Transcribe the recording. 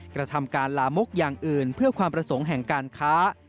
กระทำการลามกอย่างอื่นเพื่อความประสงค์แห่งการค้า